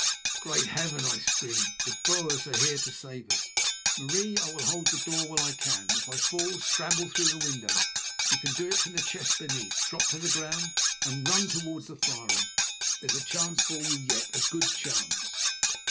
"Great Heaven!" I screamed; "the Boers are here to save us. Marie, I will hold the door while I can. If I fall, scramble through the window—you can do it from the chest beneath—drop to the ground, and run towards the firing. There's a chance for you yet, a good chance."